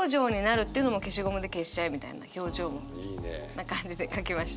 な感じで書きました。